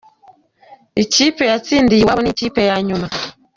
Ikipe yatsindiwe iwayo n’ikipe yanyuma